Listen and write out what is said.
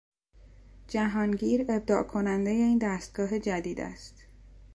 جهانگیر ابداع کننده این دستگاه جدید است.